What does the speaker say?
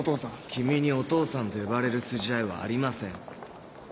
君にお父さんと呼ばれる筋合いはありません。